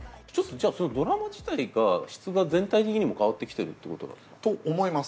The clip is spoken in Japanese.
じゃあドラマ自体が質が全体的にも変わってきてるってことなんですか？と思います。